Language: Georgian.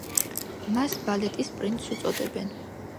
მას ბალეტის პრინცს უწოდებენ.